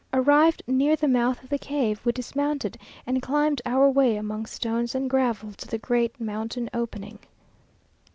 Arrived near the mouth of the cave, we dismounted, and climbed our way among stones and gravel to the great mountain opening.